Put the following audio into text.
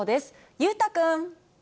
裕太君。